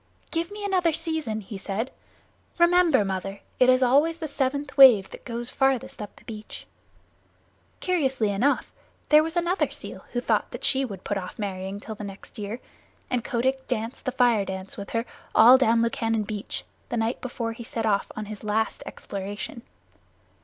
"Give me another season," he said. "Remember, Mother, it is always the seventh wave that goes farthest up the beach." Curiously enough, there was another seal who thought that she would put off marrying till the next year, and Kotick danced the Fire dance with her all down Lukannon Beach the night before he set off on his last exploration.